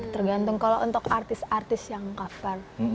tergantung kalau untuk artis artis yang cover